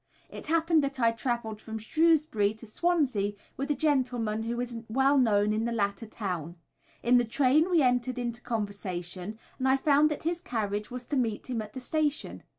It happened that I travelled from Shrewsbury to Swansea with a gentleman who is well known in the latter town. In the train we entered into conversation, and I found that his carriage was to meet him at the station.